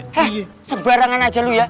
he sebarangan aja lo ya